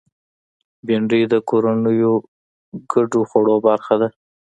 بېنډۍ د کورنیو ګډو خوړو برخه ده